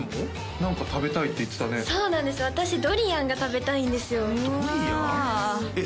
何か食べたいって言ってたねそうなんです私ドリアンが食べたいんですよドリアン？えっ？